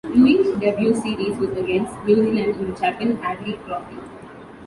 Lewis' debut series was against New Zealand in the Chappell-Hadlee Trophy.